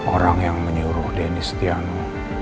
orang yang menyuruh denis tiano